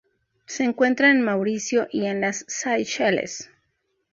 Se encuentra en Mauricio y en las Seychelles.